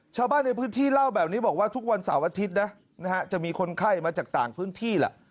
ชาวบ้านในพื้นที่เล่าแบบนี้บอกว่าทุกวันเสาร์อาทิตย์นะจะมีคนไข้มาจากต่างพื้นที่แหละ